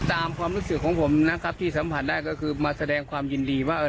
ความรู้สึกของผมนะครับที่สัมผัสได้ก็คือมาแสดงความยินดีว่า